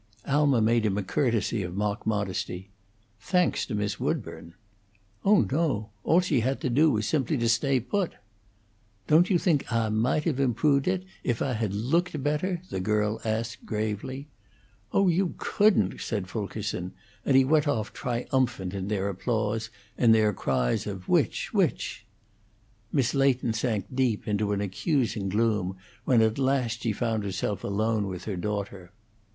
Alma made him a courtesy of mock modesty. "Thanks to Miss Woodburn!" "Oh no! All she had to do was simply to stay put." "Don't you think Ah might have improved it if Ah had looked better?" the girl asked, gravely. "Oh, you couldn't!" said Fulkerson, and he went off triumphant in their applause and their cries of "Which? which?" Mrs. Leighton sank deep into an accusing gloom when at last she found herself alone with her daughter.